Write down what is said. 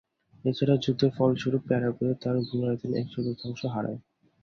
এছাড়াও যুদ্ধের ফলস্বরূপ প্যারাগুয়ে তার ভূ-আয়তনের এক-চতুর্থাংশ হারায়।